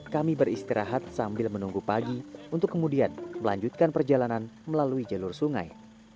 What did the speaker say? kami beristirahat sambil menunggu pagi untuk kemudian melanjutkan perjalanan melalui jalur sungai